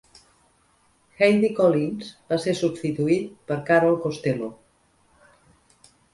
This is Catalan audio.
Heidi Collins va ser substituït per Carol Costello.